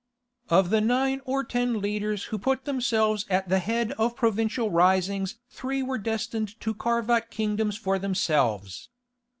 Of the nine or ten leaders who put themselves at the head of provincial risings three were destined to carve out kingdoms for themselves.